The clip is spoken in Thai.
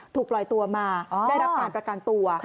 ถูกปล่อยตัวมาได้รับการประกันตัว